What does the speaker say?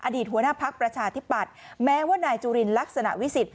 หัวหน้าพักประชาธิปัตย์แม้ว่านายจุลินลักษณะวิสิทธ